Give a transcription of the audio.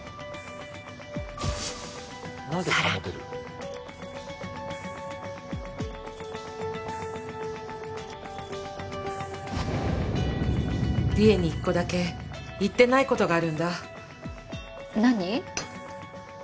更に利恵に１個だけ言ってないことがあるんだ。